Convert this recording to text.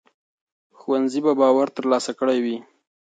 ښوونځي به باور ترلاسه کړی وي.